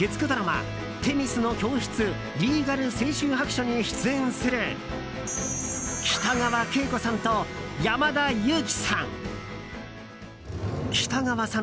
「女神の教室リーガル青春白書」に出演する北川景子さんと山田裕貴さん。